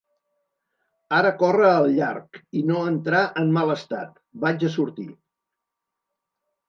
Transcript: Ara corre al llarg, i no entrar en mal estat. Vaig a sortir.